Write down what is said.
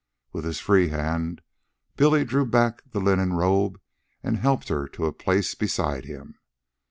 With his free hand, Billy drew back the linen robe and helped her to a place beside him.